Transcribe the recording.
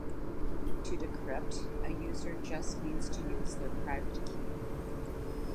To decrypt, a user just needs to use their private key.